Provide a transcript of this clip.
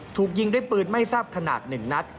ถูกยิงด้วยปืนไม่ทราบขนาด๑นัด